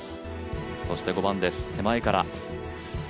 そして５番です、手前から。